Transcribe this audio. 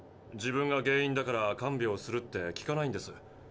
「自分が原因だから看病する」って聞かないんです。